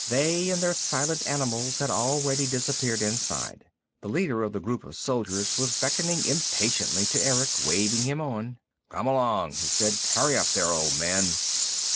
They and their silent animals had already disappeared inside. The leader of the group of soldiers was beckoning impatiently to Erick, waving him on. "Come along!" he said. "Hurry up there, old man."